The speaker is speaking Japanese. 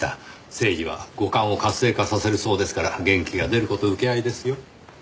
セージは五感を活性化させるそうですから元気が出る事請け合いですよ。